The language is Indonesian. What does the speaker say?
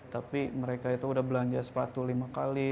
tapi mereka itu udah belanja sepatu lima kali